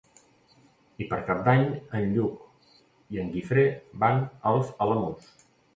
Per Cap d'Any en Lluc i en Guifré van als Alamús.